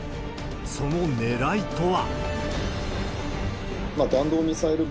そのねらいとは。